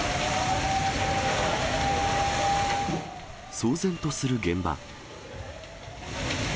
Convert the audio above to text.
騒然とする現場。